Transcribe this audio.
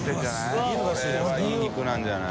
海譴いい肉なんじゃない？